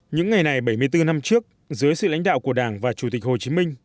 những ngày này bảy mươi bốn năm trước dưới sự lãnh đạo của đảng và chủ tịch hồ chí minh